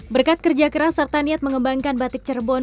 berkat kerja keras serta niat mengembangkan batik cerbon